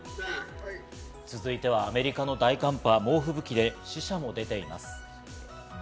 続いては、アメリカの大寒波猛吹雪で死者も出ています。